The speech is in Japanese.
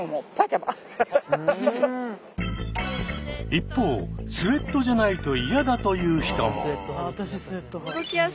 一方スウェットじゃないと嫌だという人も。